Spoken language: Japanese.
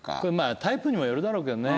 タイプにもよるだろうけどね。